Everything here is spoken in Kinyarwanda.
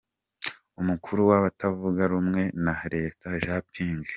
Umukuru w’abatavuga rumwe na leta Jean Ping